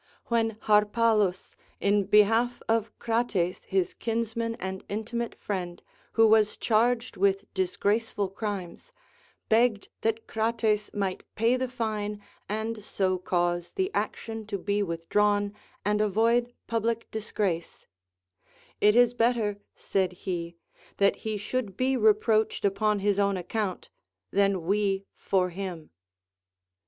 When Harpalus, in behalf of Crates his kinsman and intimate friend, who was charged with disgraceful crimes, begged that Crates might pay the fine and so cause the action to be Avithdrawn and avoid public disgrace ;— It is better, said he, that he should be reproached upon his own account, than we for him.